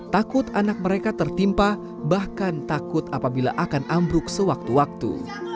takut anak mereka tertimpa bahkan takut apabila akan ambruk sewaktu waktu